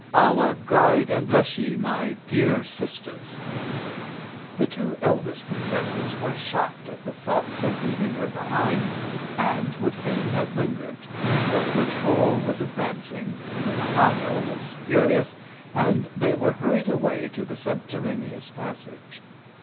Allah guide and bless ye, my dear sis ters !" The two eldest princesses were shocked at the thoughts of leaving her behind, and would fain have lingered, but the patrol was advancing; the rene gado was furious, and they were hurried away to the subterraneous passage.